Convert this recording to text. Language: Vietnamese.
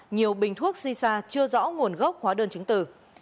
nhiều bình thuốc shisha chưa rõ nguồn gốc hóa đơn chứng từ